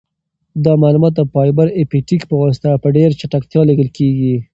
دا معلومات د فایبر اپټیک په واسطه په ډېر چټکتیا لیږل کیږي.